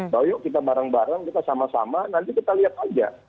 ayo kita bareng bareng kita sama sama nanti kita lihat aja